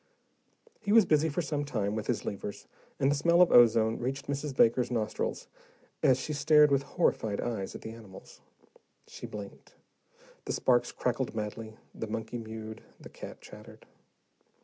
He was busy for some time with his levers, and the smell of ozone reached Mrs. Baker's nostrils as she stared with horrified eyes at the animals. She blinked. The sparks crackled madly, the monkey mewed, the cat chattered.